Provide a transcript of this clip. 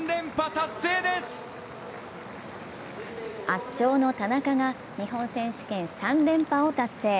圧勝の田中が日本選手権３連覇を達成。